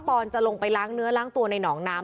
อนจะลงไปล้างเนื้อล้างตัวในหนองน้ำ